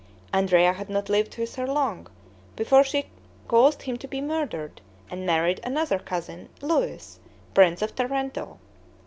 Andrea had not lived with her long, before she caused him to be murdered, and married another cousin, Louis, prince of Tarento.